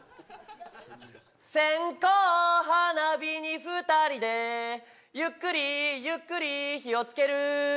線香花火に二人でゆっくりゆっくり火をつける